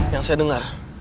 yang saya dengar